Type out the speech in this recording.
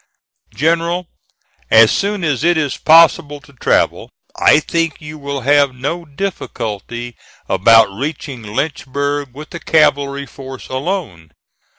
"GENERAL: As soon as it is possible to travel, I think you will have no difficulty about reaching Lynchburg with a cavalry force alone.